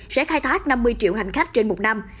sẽ khai thác năm mươi triệu hành khách trên một năm